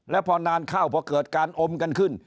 แล้วพอนานเข้าพอเกิดการอมกันขึ้น